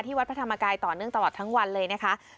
วัดพระธรรมกายต่อเนื่องตลอดทั้งวันเลยนะคะ